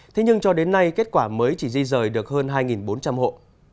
thế nhưng cho đến nay kết quả mới chỉ di rời được hơn hai bốn trăm linh hộ